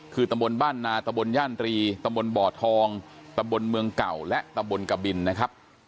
คือตำบลบ้านนาตะบนย่านตรีตำบลบ่อทองตำบลเมืองเก่าและตำบลกบินนะครับ